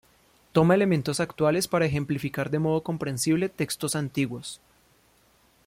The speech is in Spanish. Toma elementos actuales para ejemplificar de modo comprensible textos antiguos.